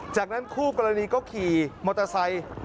จากนั้นคู่กรณีก็ขี่มอเตอร์ไซค์